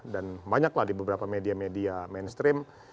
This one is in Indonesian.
dan banyak lah di beberapa media media mainstream